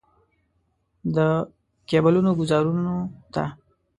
د کیبلونو ګوزارونو ته.